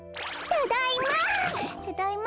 ただいま！